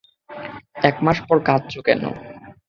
এক মাস পর কাঁদছো কেন?